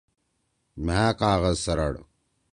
مھأ کاغذ سرَڑ۔